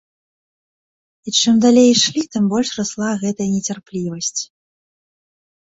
І чым далей ішлі, тым больш расла гэтая нецярплівасць.